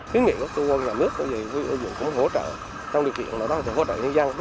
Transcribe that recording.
khiến nghiệm của tư vân là nước vấn đề của dân cũng hỗ trợ